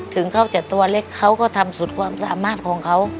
ถึงเขาจะตัวเล็กเขาก็ทำสุดความสามารถของเขา